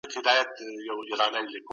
خو موږ کولای سو د دوی ترمنځ توپیر پیدا کړو.